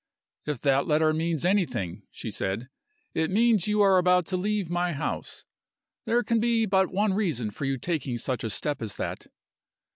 "If that letter means anything," she said, "it means you are about to leave my house. There can be but one reason for your taking such a step as that."